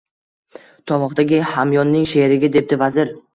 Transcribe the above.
– Tovoqdagi hamyonning sherigi, – debdi vazir.